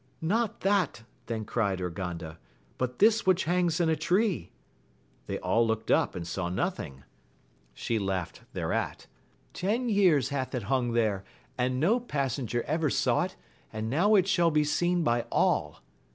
Not that, then cried Urganda, but this which hangs in a tree. They all looked up, and saw nothing. She laughed thereat ;— Ten years hath it hung there, and no passenger ever saw it, and now it shall be seen by all